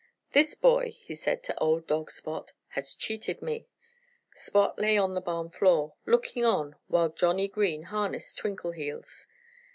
"This boy," he said to old dog Spot, "has cheated me." Spot lay on the barn floor, looking on while Johnnie Green harnessed Twinkleheels.